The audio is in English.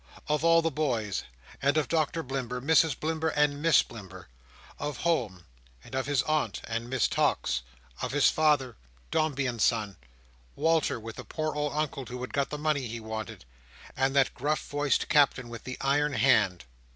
of all the boys; and of Doctor Blimber, Mrs Blimber, and Miss Blimber; of home, and of his aunt and Miss Tox; of his father; Dombey and Son, Walter with the poor old Uncle who had got the money he wanted, and that gruff voiced Captain with the iron hand.